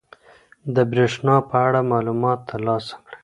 د بریښنا په اړه معلومات ترلاسه کړئ.